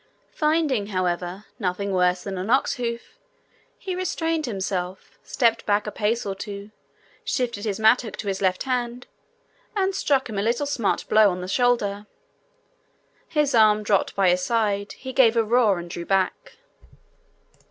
Finding, however, nothing worse than an ox hoof, he restrained himself, stepped back a pace or two, shifted his mattock to his left hand, and struck him a little smart blow on the shoulder. His arm dropped by his side, he gave a roar, and drew back.